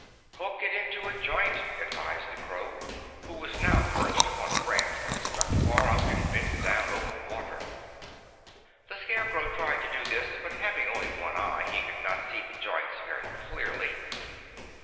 "Hook it into a joint," advised the crow, who was now perched upon a branch that stuck far out and bent down over the water. The Scarecrow tried to do this, but having only one eye he could not see the joints very clearly.